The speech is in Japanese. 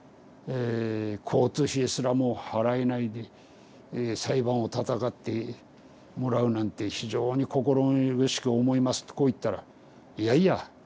交通費すらも払えないで裁判をたたかってもらうなんて非常に心苦しく思います」ってこう言ったら「いやいや」。